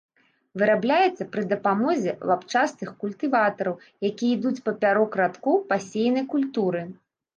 Вырабляецца пры дапамозе лапчастых культыватараў, якія ідуць папярок радкоў пасеянай культуры.